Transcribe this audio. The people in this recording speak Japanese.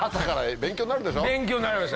勉強になりました。